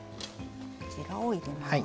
こちらを入れます。